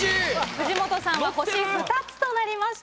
藤本さんは星２つとなりました。